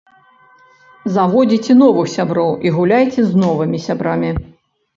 Заводзіце новых сяброў і гуляйце з новымі сябрамі.